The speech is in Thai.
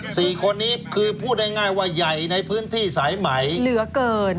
สี่คนนี้คือพูดง่ายง่ายว่าใหญ่ในพื้นที่สายไหมเหลือเกิน